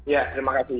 ya terima kasih